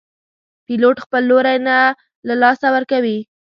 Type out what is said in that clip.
پیلوټ خپل لوری نه له لاسه ورکوي.